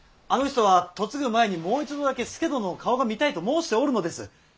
あの人は嫁ぐ前にもう一度だけ佐殿の顔が見たいと申しておるのです。